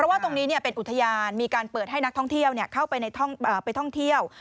ว่าตรงนี้เป็นอุทยานมีการเปิดให้นักท่องเที่ยวเข้าไปท่องเที่ยว